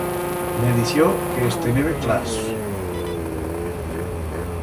Me dició que es tenebe clars.